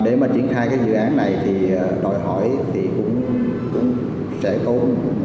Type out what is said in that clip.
để mà triển khai cái dự án này thì đòi hỏi thì cũng sẽ có